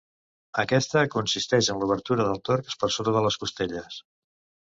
Aquesta consisteix en l'obertura del tòrax per sota de les costelles.